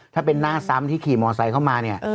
ถ้าเป็นหน้าซ้ำที่ขี่มอไซค์เข้ามาเนี่ย